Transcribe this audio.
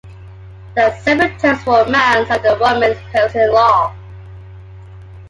There are separate terms for a man's and a woman's parents-in-law.